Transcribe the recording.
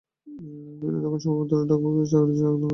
তিনি তখন সবেমাত্র ডাকবিভাগের চাকুরীতে যোগদান করেছেন।